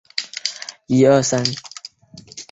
皮克区国家公园横跨郡的东北部。